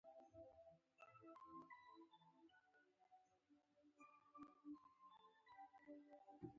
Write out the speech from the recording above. یا به د سندرو په بڼه اورول کېدل.